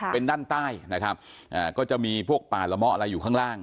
เป็นด้านใต้นะครับก็จะมีพวกป่าละเมาะอะไรอยู่ข้างล่าง